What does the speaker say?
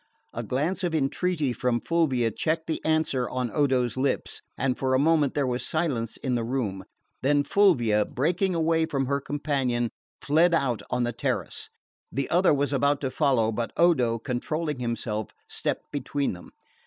A glance of entreaty from Fulvia checked the answer on Odo's lips, and for a moment there was silence in the room; then Fulvia, breaking away from her companion, fled out on the terrace. The other was about to follow; but Odo, controlling himself, stepped between them.